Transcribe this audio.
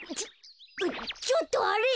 ちょっとあれ！